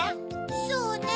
そうねぇ